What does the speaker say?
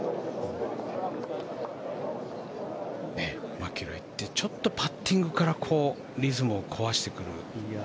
マキロイってちょっとパッティングからリズムを壊してくる。